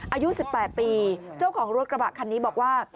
อายุ๑๘ปีเจ้าของรถกระบะคันนี้บอกว่า